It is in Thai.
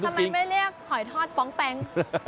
ทำไมไม่เรียกหอยทอดฟ้องแป๊ง